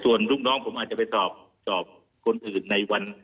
ส่วนลูกน้องผมอาจจะไปสอบคนอื่นในวัน